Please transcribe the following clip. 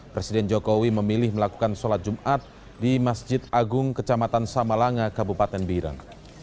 presiden jokowi memilih melakukan sholat jumat di masjid agung kecamatan samalanga kabupaten biren